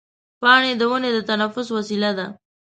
پاڼې د ونې د تنفس وسیله ده.